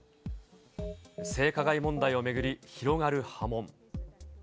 性加害問題を巡り、広がる波紋。